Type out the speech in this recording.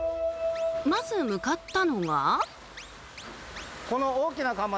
まず向かったのが。